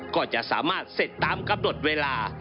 ก็จะสามารถเสร็จตามกำหนดเวลา